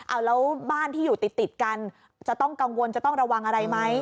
เอาแล้วบ้านที่อยู่ติดกันจะต้องกังวลจะต้องระวังอะไรไหม